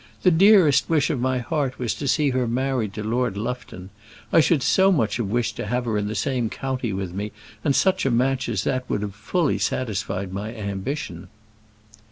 "The dearest wish of my heart was to see her married to Lord Lufton. I should so much have wished to have her in the same county with me, and such a match as that would have fully satisfied my ambition."